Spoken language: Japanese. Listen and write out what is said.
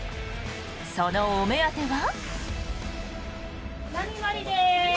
そのお目当ては？